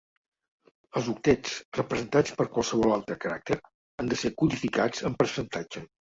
els octets representats per qualsevol altre caràcter han de ser codificats en percentatge.